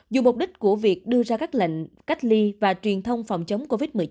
dù mục đích của việc đưa ra các lệnh cách ly và truyền thông phòng chống covid một mươi chín